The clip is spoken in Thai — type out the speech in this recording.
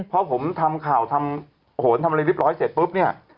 พอผมทำข่าวทำโหนทำอะไรเรียบร้อยเสร็จปุ๊บเนี่ย